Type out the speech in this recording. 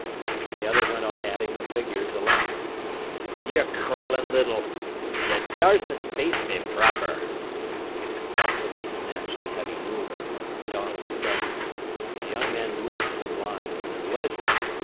The other went on adding the figures aloud. "Yer crawlin' little—, yer daresn't face me proper!" Paul quickly snatched the heavy ruler. Dawes started. The young man ruled some lines in his ledger.